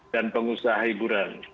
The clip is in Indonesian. dan pengusaha hiburan